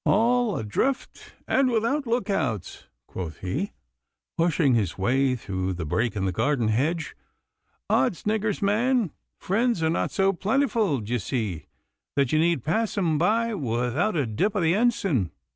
'All adrift and without look outs,' quoth he, pushing his way through the break in the garden hedge. 'Odd's niggars, man! friends are not so plentiful, d'ye see, that ye need pass 'em by without a dip o' the ensign.